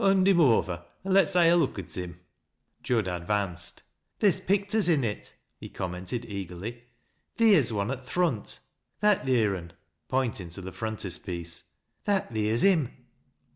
" Hond him over, an' lets ha' a look at him." Jud advanced. " Theer's picters in it," he commented eagerly. " Theer'a one at th' front. That theer un," pointing to the frontis piece, " that theer's him."